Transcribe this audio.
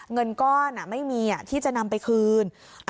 เงินก้อนไม่มีที่จะนำไปคืน